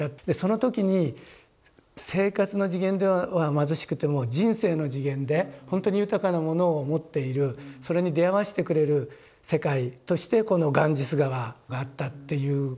でその時に生活の次元では貧しくても人生の次元でほんとに豊かなものを持っているそれに出会わしてくれる世界としてこのガンジス河があったっていう。